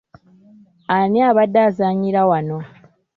Ani abadde azannyira wano.